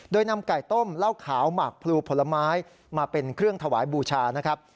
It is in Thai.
โดยนำไก่ต้มเหล้าขาวหมากพลูผลไม้มาเป็นเครื่องถวายบูชานะครับ